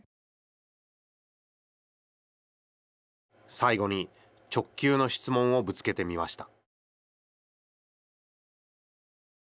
最後に直球の質問をぶつけてみました。